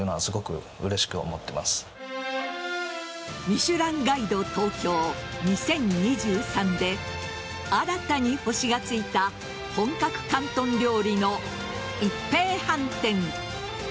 「ミシュランガイド東京２０２３」で新たに星がついた本格広東料理の一平飯店。